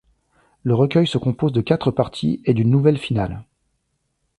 Le recueil se compose de quatre parties et d'une nouvelle finale.